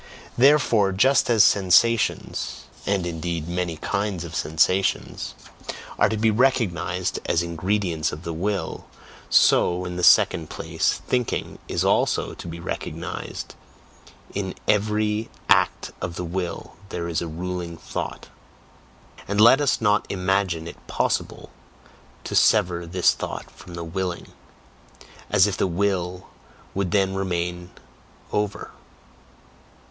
Therefore, just as sensations (and indeed many kinds of sensations) are to be recognized as ingredients of the will, so, in the second place, thinking is also to be recognized; in every act of the will there is a ruling thought; and let us not imagine it possible to sever this thought from the "willing," as if the will would then remain over!